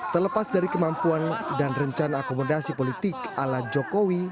terlepas dari kemampuan dan rencana akomodasi politik ala jokowi